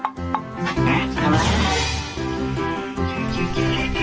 ตอนมตาแปลวิดีโอ